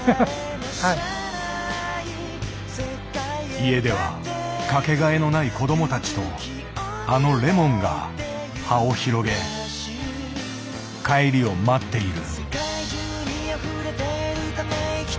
家ではかけがえのない子どもたちとあのレモンが葉を広げ帰りを待っている。